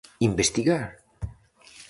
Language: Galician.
Investigar?